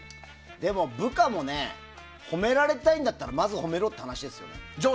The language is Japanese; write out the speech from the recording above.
でも、部下も褒められたいんだったらまず褒めろって話ですよ。